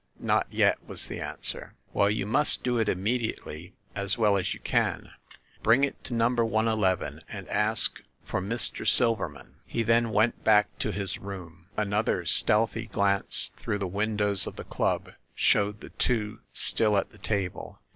"Not yet," was the answer. "Well, you must do it immediately as well as you can. Bring it to number ill and ask for Mr. Silver man." He then went back to his room. Another stealthy glance through the windows of the club showed the two still at the table.